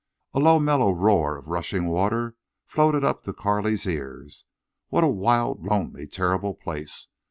A low mellow roar of rushing waters floated up to Carley's ears. What a wild, lonely, terrible place!